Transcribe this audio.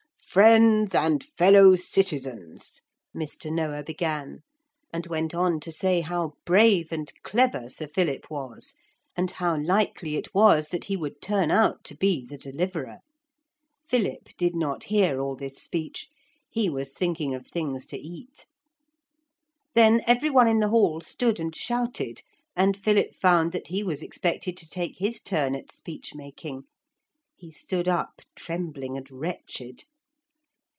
'Friends and fellow citizens,' Mr. Noah began, and went on to say how brave and clever Sir Philip was, and how likely it was that he would turn out to be the Deliverer. Philip did not hear all this speech. He was thinking of things to eat. Then every one in the hall stood and shouted, and Philip found that he was expected to take his turn at speech making. He stood up trembling and wretched.